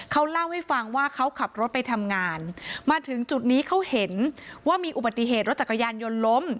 เขาเล่าให้ฟังว่าเขาขับรถไปทำงานมาถึงจุดนี้เขาเห็นว่ามีอุบัติเหตุรถจักรยานยนต์ล้ม